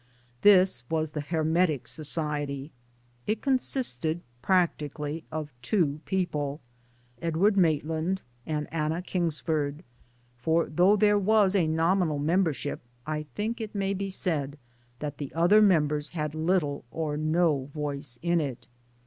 This was the Hermetic Society. It consisted practically of two people Edward Mait land and Anna Kingsford ; for though there was a nominal membership I think it may be said that the other members had little or no voice in it.